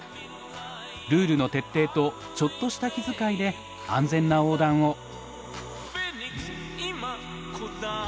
ルールの徹底とちょっとした気遣いで安全な横断を。